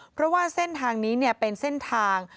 เพราะว่าเส้นทางนี้เป็นเส้นทาง